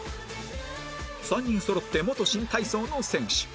３人そろって元新体操の選手